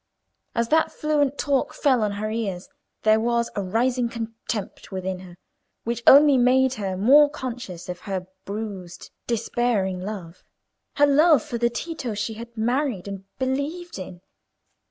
As that fluent talk fell on her ears there was a rising contempt within her, which only made her more conscious of her bruised, despairing love, her love for the Tito she had married and believed in.